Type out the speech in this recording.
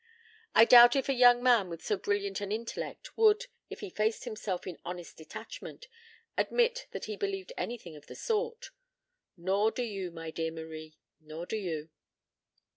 I doubt if a young man with so brilliant an intellect would, if he faced himself in honest detachment, admit that he believed anything of the sort. Nor do you, my dear Marie, nor do you."